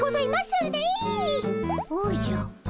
おじゃ？